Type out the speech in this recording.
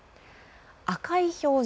赤い表示